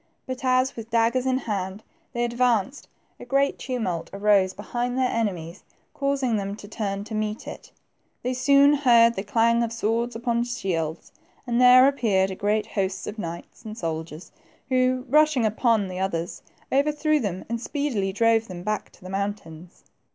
But as, with daggers in hand, they ad vanced, a great tumult arose behind their enemies, causing them to turn to meet it. They soon heard the clang of swords upon shields, and there appeared a great host of knights and soldiers, who, rushing upon the others, overthrew them and speedily drove them back to the mountains.